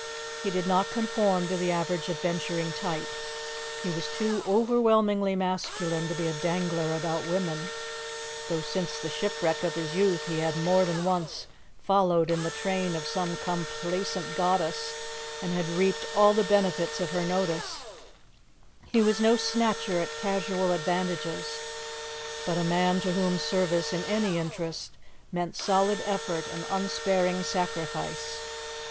He did not conform to the average adventuring type. He was too overwhelmingly masculine to be a dangler about women, though since the shipwreck of his youth he had more than once followed in the train of some complaisant goddess, and had reaped all the benefits of her notice; he was no snatcher at casual advantages, but a man to whom service in any interest meant solid effort and unsparing sacrifice.